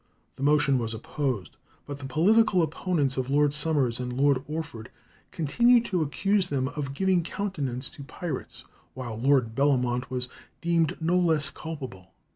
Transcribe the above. The motion was opposed, but the political opponents of Lord Somers and Lord Orford continued to accuse them of giving countenance to pirates, while Lord Bellamont was deemed no less culpable.